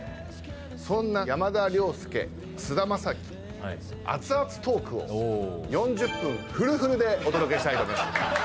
そんな山田涼介菅田将暉アツアツトークを４０分フルフルでお届けしたいと思います。